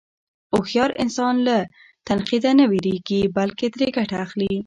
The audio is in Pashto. هوښیار انسان له تنقیده نه وېرېږي، بلکې ترې ګټه اخلي.